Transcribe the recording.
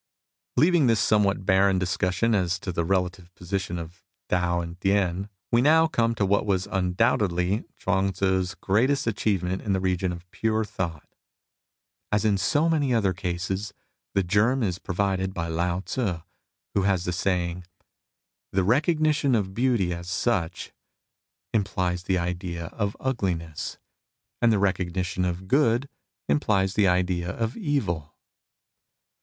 Leaving this somewhat barren discussion as to the relative position of Tao and Tien, we now come to what was undoubtedly Chuang Tzu's greatest achievement in the region of pure thought. As in so many other cases, the germ is provided by Lao Tzu, who has the sajdng :" inie recognition of beauty as such implies the 1 Tien. 18 MUSINGS OF A CHINESE MYSTIC idea of ugliness, and the recognition of good implies the idea of evil."